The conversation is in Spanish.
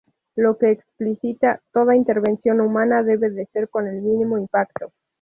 Lo que explicita: ""toda intervención humana debe ser con el mínimo impacto"".